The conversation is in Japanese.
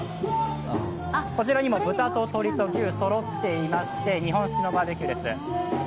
こちら豚と鳥と牛そろっていまして、日本式のバーベキューです。